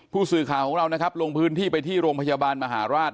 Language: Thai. ผู้สื่อข่าวของเรานะครับลงพื้นที่ไปที่โรงพยาบาลมหาราช